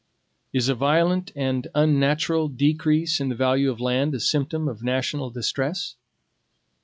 Is a violent and unnatural decrease in the value of land a symptom of national distress?